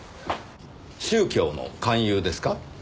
宗教の勧誘ですか？